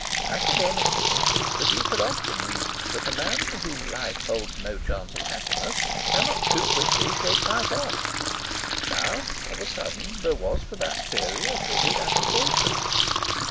Academically, the Duke had often reasoned that a man for whom life holds no chance of happiness cannot too quickly shake life off. Now, of a sudden, there was for that theory a vivid application.